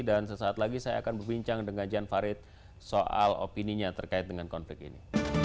dan sesaat lagi saya akan berbincang dengan jan farid soal opini yang terkait dengan konflik ini